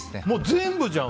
全部じゃん。